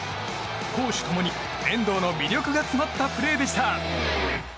攻守共に遠藤の魅力が詰まったプレーでした。